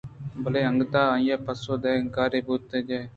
بلئے انگتءَتو آئی ءَ پسو دئے ءُانکاری بوتگئے